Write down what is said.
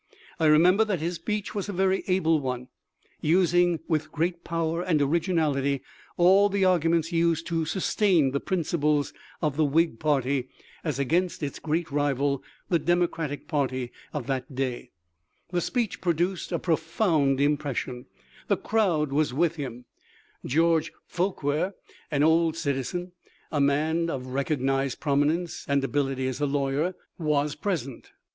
I remember that his speech was a very able one, using with great power and originality all the argu ments used to sustain the principles of the Whig party as against its great rival, the Democratic party of that day. The speech produced a pro found impression — the crowd was with him. * R. L. Wilson, letter, Feb. lo, iS66, MS. THE LIFE OF LINCOLN. 171 George Forquer, an old citizen, a man of recognized prominence and ability as a lawyer, was present.